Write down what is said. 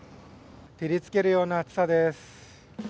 照りつけるような暑さです。